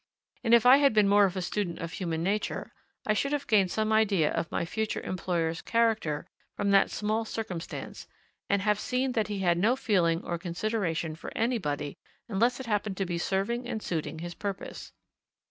And if I had been more of a student of human nature, I should have gained some idea of my future employer's character from that small circumstance, and have seen that he had no feeling or consideration for anybody unless it happened to be serving and suiting his purpose.